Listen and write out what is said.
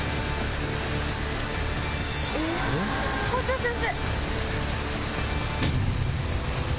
校長先生！